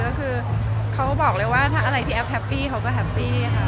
เพราะคือเค้าบอกเลยว่าอะไรที่แอพแฮปปี้เขาก็แฮปปี้